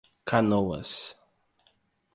Canoas